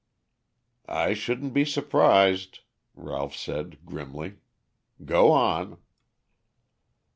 "I shouldn't be surprised," Ralph said grimly. "Go on."